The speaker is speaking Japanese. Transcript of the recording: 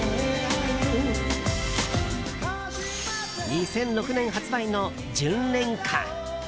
２００６年発売の「純恋歌」。